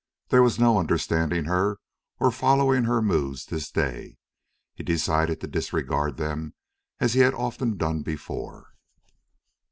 There was no understanding her or following her moods this day. He decided to disregard them, as he had often done before.